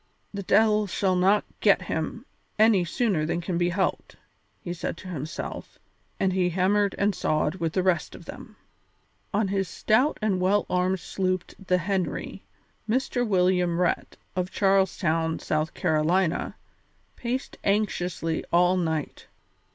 "The de'il shall not get him any sooner than can be helped," he said to himself, and he hammered and sawed with the rest of them. On his stout and well armed sloop the Henry, Mr. William Rhett, of Charles Town, South Carolina, paced anxiously all night.